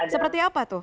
seperti apa tuh